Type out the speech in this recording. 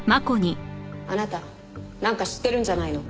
あなたなんか知ってるんじゃないの？